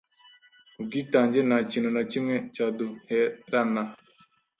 ubwitange nta kintu na kimwe cyaduherana